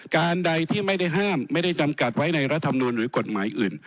การใดที่ไม่ได้ห้ามไม่ได้จำกัดไว้ในรัฐมนูลหรือกฎหมายอื่น